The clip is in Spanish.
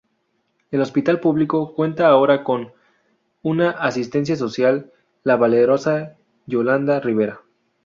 El hospital público cuenta ahora con una asistenta social, la valerosa Yolanda Rivera.